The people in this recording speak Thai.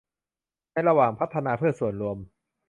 ในการพัฒนาเพื่อส่วนรวม